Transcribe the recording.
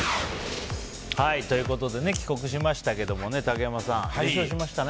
帰国しましたけどもね竹山さん、優勝しましたね。